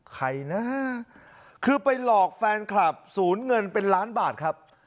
ใครนะคือไปหลอกแฟนคลับศูนย์เงินเป็นล้านบาทครับ